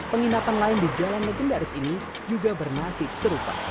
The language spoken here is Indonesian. penginapan lain di jalan legendaris ini juga bernasib serupa